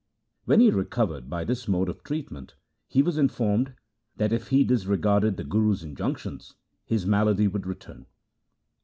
When he recovered by this mode of treatment he was informed that if he disregarded the Guru's injunctions his malady would return.